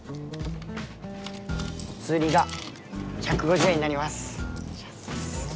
おつりが１５０円になります。